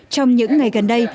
trong những ngày gần đây